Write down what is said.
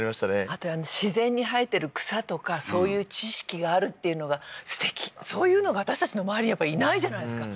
あと自然に生えてる草とかそういう知識があるっていうのがすてきそういうのが私たちの周りにやっぱりいないじゃないですか